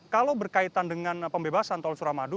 kalau berkaitan dengan pembebasan tol suramadu